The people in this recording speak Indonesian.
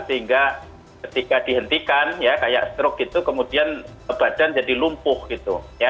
sehingga ketika dihentikan ya kayak stroke itu kemudian badan jadi lumpuh gitu